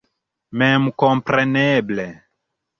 Memkompreneble.